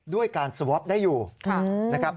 ด้วยการสวอปได้อยู่นะครับ